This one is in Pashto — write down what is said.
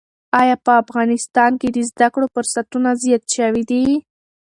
ایا په افغانستان کې د زده کړو فرصتونه زیات شوي دي؟